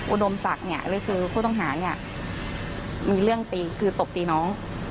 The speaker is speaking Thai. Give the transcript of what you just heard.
อุดมศักดิ์หรือคือผู้ต้องหามีเรื่องตีคือตบตีน้อง